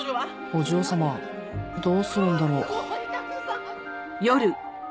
お嬢様どうするんだろう。